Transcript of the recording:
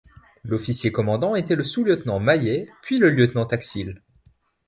L'officier commandant était le sous-lieutenant Maillet, puis le lieutenant Taxil.